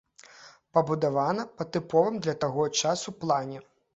Пабудавана па тыповым для таго часу плане.